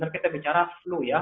kita bicara flu ya